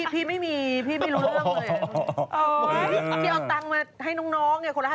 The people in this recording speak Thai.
พี่ไม่มีพี่ไม่รู้เรื่องเลย